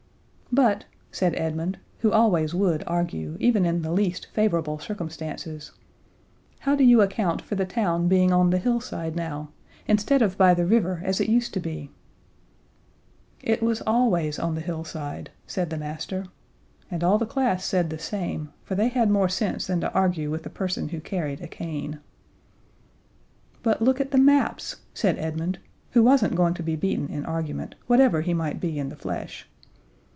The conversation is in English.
"But," said Edmund, who always would argue, even in the least favorable circumstances, "how do you account for the town being on the hillside now, instead of by the river as it used to be?" "It was always on the hillside," said the master. And all the class said the same, for they had more sense than to argue with a person who carried a cane. "But look at the maps," said Edmund, who wasn't going to be beaten in argument, whatever he might be in the flesh.